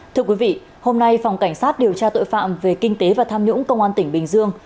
thưa quý vị hôm nay phòng cảnh sát điều tra tội phạm về kinh tế và tham nhũng công an tỉnh bình dương